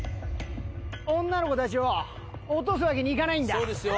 女の子たちを落とすわけにいかないんだそうですよ